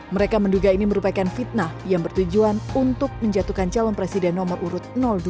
mereka menduga ini merupakan fitnah yang bertujuan untuk menjatuhkan calon presiden nomor urut dua